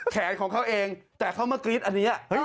แขนของเขาเองแต่เขามากรี๊ดอันนี้